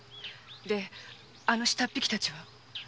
で下っ引きたちは？